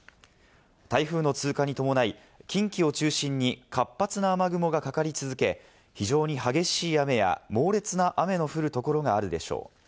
台風の通過に伴い、近畿を中心に活発な雨雲がかかり続け、非常に激しい雨や猛烈な雨の降るところがあるでしょう。